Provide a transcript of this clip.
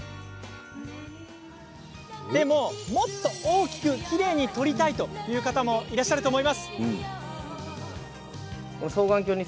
でも、もっと大きく、きれいに撮りたいという方もいらっしゃるはず。